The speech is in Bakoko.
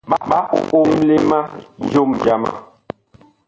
Ɓa omle ma jom jama.